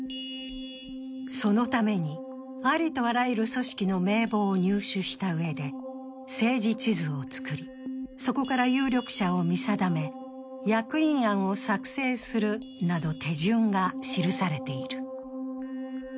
そのために、ありとあらゆる組織の名簿を入手したうえで政治地図を作り、そこから有力者を見定め役員案を作成するなど手順が記されている。